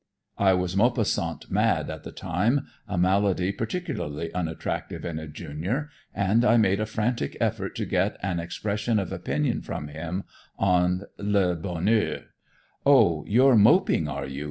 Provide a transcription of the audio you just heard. I was Maupassant mad at the time, a malady particularly unattractive in a Junior, and I made a frantic effort to get an expression of opinion from him on "Le Bonheur." "Oh, you're Moping, are you?"